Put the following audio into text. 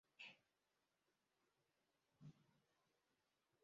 Umugore wambaye umukara ufite hula hop mu rukenyerero akora imbere yabasangira